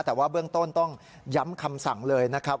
แต่ว่าเบื้องต้นต้องย้ำคำสั่งเลยนะครับ